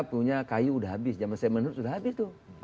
punya kayu udah habis zaman saya menurut sudah habis tuh